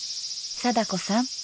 貞子さん